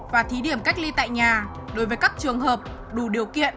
và thí điểm cách ly tại nhà đối với các trường hợp đủ điều kiện